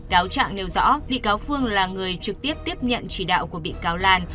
cáo trạng nêu rõ bị cáo phương là người trực tiếp tiếp nhận chỉ đạo của bị cáo lan